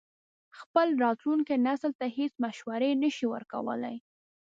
خپل راتلونکي نسل ته هېڅ مشورې نه شي ورکولای.